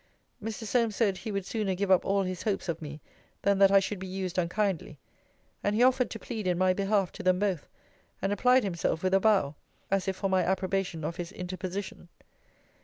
Mr. Solmes said, he would sooner give up all his hopes of me, than that I should be used unkindly. And he offered to plead in my behalf to them both; and applied himself with a bow, as if for my approbation of his interposition.